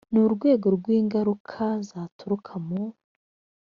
n urwego rw ingaruka zaturuka mu